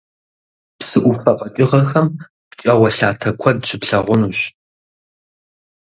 Псы Ӏуфэ къэкӀыгъэхэм пкӀауэлъатэ куэд щыплъагъунущ.